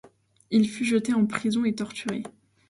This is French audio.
Il fut jeté en prison et torturé.